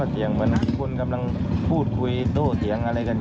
ส่วนดิน